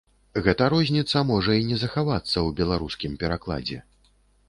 Гэта розніца можа і не захавацца ў беларускім перакладзе.